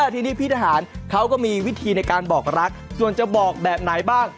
ทีนี้พี่ทหารเขาก็มีวิธีในการบอกรักส่วนจะบอกแบบไหนบ้าง